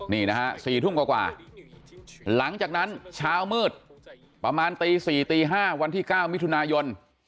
นี่นะฮะ๔ทุ่มกว่าหลังจากนั้นเช้ามืดประมาณตี๔ตี๕วันที่๙มิถุนายน